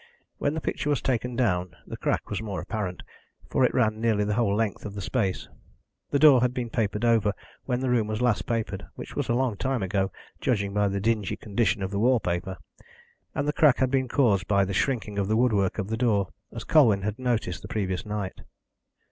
When the picture was taken down the crack was more apparent, for it ran nearly the whole length of the space. The door had been papered over when the room was last papered, which was a long time ago, judging by the dingy condition of the wall paper, and the crack had been caused by the shrinking of the woodwork of the door, as Colwyn had noticed the previous night.